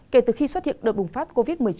kể từ khi xuất hiện đợt bùng phát covid một mươi chín